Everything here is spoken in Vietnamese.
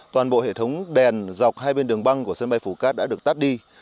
toàn bộ hệ thống đèn dọc hai bên đường băng của sân bay phú cát đã được tắt đi